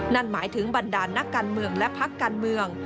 นั่นหมายถึงบรรดาลนักการเมืองและพักการเมือง